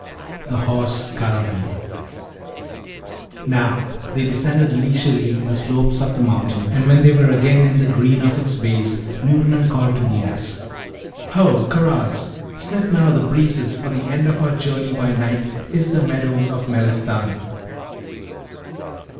THE HORSE GARRAVEEN Now, they descended leisurely the slopes of the mountain, and when they were again in the green of its base, Noorna called to the Ass, 'Ho! Karaz! Sniff now the breezes, for the end of our journey by night is the meadows of Melistan.